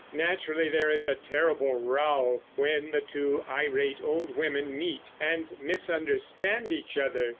Naturally there is a terrible row when the two irate old women meet and misunderstand each other.